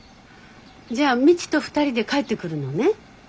じゃあ未知と２人で帰ってくるのね。